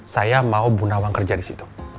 saya mau ibu nawang kerja disitu